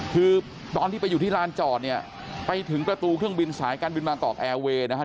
คือตอนที่ไปอยู่ที่ลานจอดเนี่ยไปถึงประตูเครื่องบินสายการบินมากอกแอร์เวย์นะครับ